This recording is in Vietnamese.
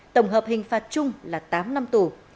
tổng hợp hình phạt chung là tám năm tù